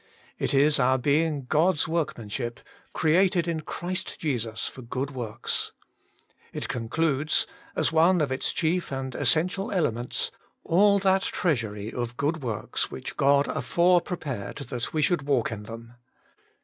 It is our being God's workman ship, created in Christ Jesus for good j works. It concludes, as one of its chief and 1 essential elements, all that treasury of good ] works which God afore prepared that we ^ should walk in them.